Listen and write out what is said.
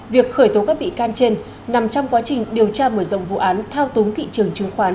việc khởi tố các bị can trên nằm trong quá trình điều tra mở rộng vụ án thao túng thị trường chứng khoán